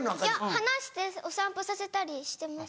放してお散歩させたりしてます。